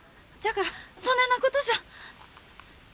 じゃからそねえなことじゃ。